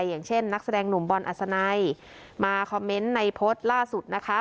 อย่างเช่นนักแสดงหนุ่มบอลอัศนัยมาคอมเมนต์ในโพสต์ล่าสุดนะคะ